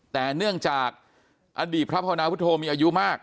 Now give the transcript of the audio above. แต่เนื่องจากอดีตพระพนาวุฒโธมีอายุมาก